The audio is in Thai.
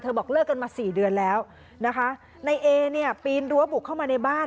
บอกเลิกกันมาสี่เดือนแล้วนะคะในเอเนี่ยปีนรั้วบุกเข้ามาในบ้าน